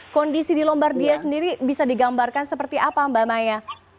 kondisi di lombardia sendiri bisa digambarkan seperti apa mbak maya